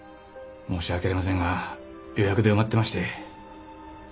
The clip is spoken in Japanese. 申し訳ありませんが予約で埋まってまして